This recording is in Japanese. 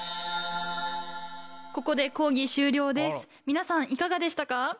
ここで講義終了です皆さんいかがでしたか？